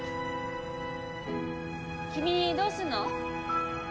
君どうすんの？